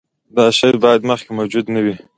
دا شی باید مخکې موجود نه وي.